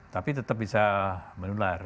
tapi tetap bisa menular